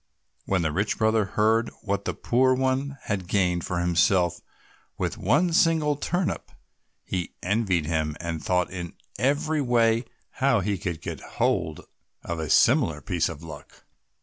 When the rich brother heard what the poor one had gained for himself with one single turnip, he envied him, and thought in every way how he also could get hold of a similar piece of luck.